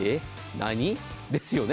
何？ですよね。